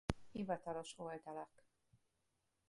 Hivatalos oldalak